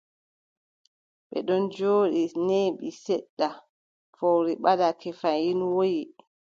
Ɓe ɗon njooɗi, neeɓi seɗɗa, fowru ɓadake fayin, woyi.